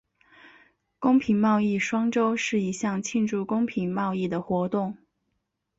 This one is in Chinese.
公平贸易双周是一项庆祝公平贸易的活动。